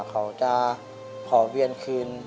เขาจะขอเวียนคืน